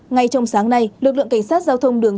ngay trong sáng nay lực lượng cảnh sát giao thông đường